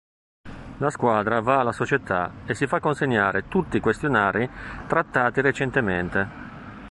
La squadra va alla società e si fa consegnare tutti i questionari trattati recentemente.